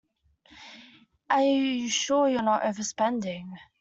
Are you sure you're not overspending?